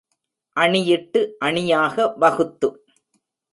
அணியிட்டு அணியாக வகுத்து.